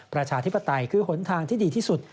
ประชาธิปไตยคือหนทางที่ดีที่สุด